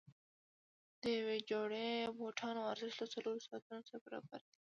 د یوې جوړې بوټانو ارزښت له څلورو ساعتونو سره برابر دی.